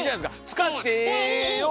使ってええように。